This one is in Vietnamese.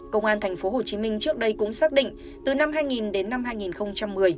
công an tp hcm trước đây cũng xác định từ năm hai nghìn đến năm hai nghìn một mươi